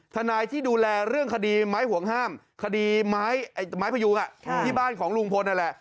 ทนายที่ดูแลเรื่องคดีไม้ห่วงห้ามคดีไม้พยุงที่บ้านของลุงพลนั่นแหละ